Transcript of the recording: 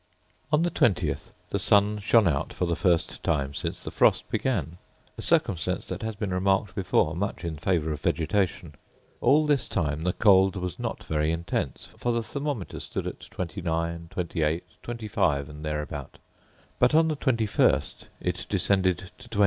On the 20th the sun shone out for the first time since the frost began; a circumstance that has been remarked before much in favour of vegetation. All this time the cold was not very intense, for the thermometer stood at 29, 28, 25, and thereabout; but on the 21st it descended to 20.